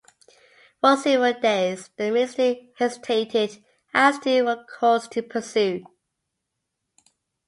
For several days the ministry hesitated as to what course to pursue.